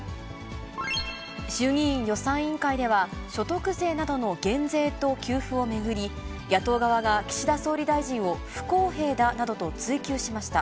衆議院予算委員会では、所得税などの減税と給付を巡り、野党側が岸田総理大臣を不公平だなどと追及しました。